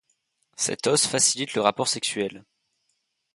Cet os facilite le rapport sexuel.